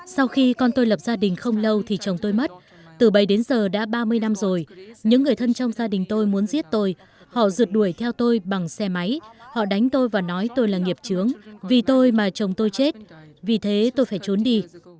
sau khi con tôi lập gia đình không lâu thì chồng tôi mất từ bây giờ đến giờ đã ba mươi năm rồi những người thân trong gia đình tôi muốn giết tôi họ rượt đuổi theo tôi bằng xe máy họ đánh tôi và nói tôi là nghiệp trướng vì tôi mà chồng tôi chết vì thế tôi phải trốn đi